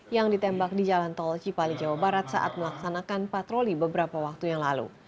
yang ditembak di jalan tol cipali jawa barat saat melaksanakan patroli beberapa waktu yang lalu